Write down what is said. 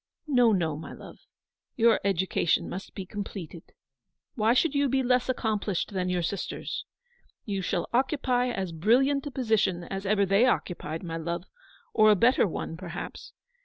"No, no, my love. Your education must be completed. Why should you be less accomplished than your sisters ? You shall occupy as brilliant a position as ever they occupied, my love, or a better one, perhaps.